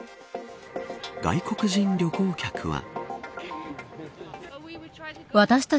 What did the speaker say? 外国人旅行客は。